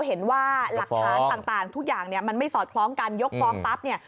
เห็นว่าหลักฐานต่างทุกอย่างเนี่ยมันไม่สอดคล้องกันยกฟ้องปั๊บเนี่ย